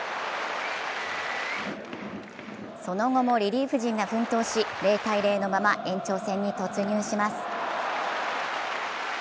その後もリリーフ陣が奮闘し０−０のまま、延長戦に突入します。